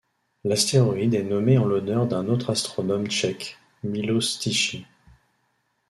L'astéroïde est nommé en l'honneur d'un autre astronome tchèque, Miloš Tichý.